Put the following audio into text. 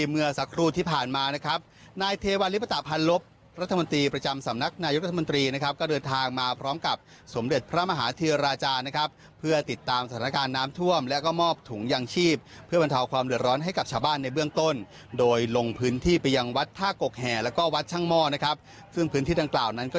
เมื่อสักรูดที่ผ่านมานะครับนายเทวาลิปตาภัณฑ์รบรัฐมนตรีประจำสำนักนายุทธมนตรีนะครับก็เดินทางมาพร้อมกับสมเด็จพระมหาธิราชานะครับเพื่อติดตามสถานการณ์น้ำท่วมแล้วก็มอบถุงยางชีพเพื่อวันเทาะความเหลือร้อนให้กับชาวบ้านในเบื้องต้นโดยลงพื้นที่ไปยังวัดท่ากกแห่และก็